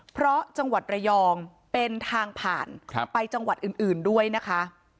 เพราะจังหวัดระยองเป็นทางผ่านไปจังหวัดอื่นด้วยนะคะ